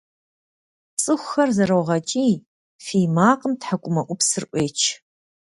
Цӏыхухэр зэрогъэкӏий, фий макъым тхьэкӏумэӏупсыр ӏуеч.